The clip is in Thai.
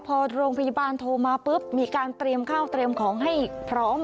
พอโรงพยาบาลโทรมาปุ๊บมีการเตรียมข้าวเตรียมของให้พร้อม